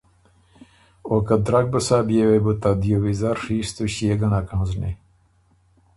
او ”که درک بُو سۀ بيې وې بو ته دیو ویزر ڒیستُو ݭيې ګه نک هنزنی“